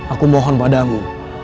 aku mohon padamu